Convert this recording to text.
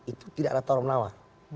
itu tidak ada tauram nawa